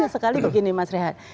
sekali begini mas rehat